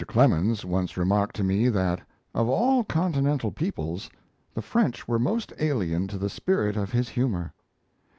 Clemens once remarked to me that, of all continental peoples, the French were most alien to the spirit of his humour.